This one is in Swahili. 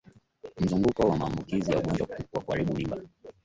Mzunguko wa maambukizi ya ugonjwa wa kuharibu mimba